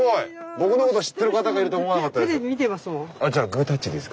僕のこと知ってる方がいると思わなかったです。